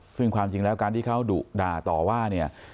ซึ่งความจริงแล้วการที่เขาดุด่าต่อว่าเนี่ย